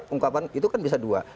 ungkapan itu kan bisa dua